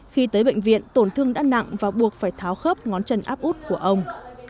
khi tới bệnh viện tổn thương đã nặng và buộc phải tháo khớp ngón chân áp út của ông